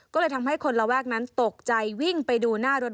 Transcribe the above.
ก็เลยทำให้คนระแวกนั้นตกใจวิ่งไปดูหน้ารถ